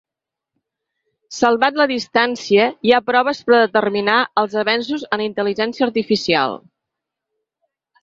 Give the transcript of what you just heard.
Salvant la distància, hi ha proves per a determinar els avenços en intel·ligència artificial.